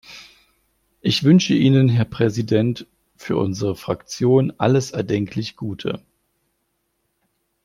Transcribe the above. Ich wünsche Ihnen, Herr Präsident, für unsere Fraktion alles erdenklich Gute!